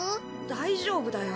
大丈夫だよ。